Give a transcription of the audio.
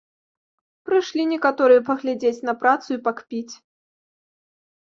Прышлі некаторыя паглядзець на працу і пакпіць.